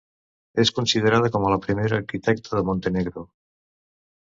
És considerada com a la primera arquitecta de Montenegro.